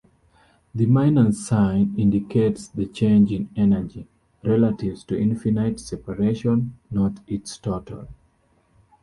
The minus-sign indicates the change in energy, relative to infinite separation, not its total.